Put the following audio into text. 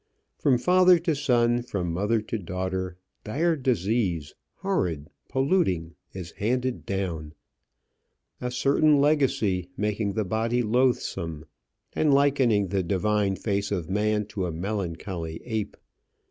From father to son, from mother to daughter, dire disease, horrid, polluting, is handed down, a certain legacy, making the body loathsome, and likening the divine face of man to a melancholy ape.